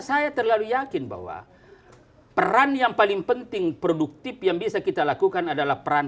saya terlalu yakin bahwa peran yang paling penting produktif yang bisa kita lakukan adalah peran